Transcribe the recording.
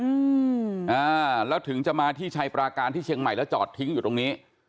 อืมอ่าแล้วถึงจะมาที่ชัยปราการที่เชียงใหม่แล้วจอดทิ้งอยู่ตรงนี้